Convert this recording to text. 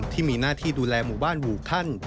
ที่มีหน้าที่ดูแลหมู่บ้านหมู่ขั้น